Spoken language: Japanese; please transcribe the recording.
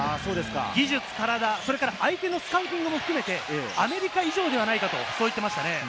技術、体、相手のスカウティングも含めてアメリカ以上ではないかと話していました。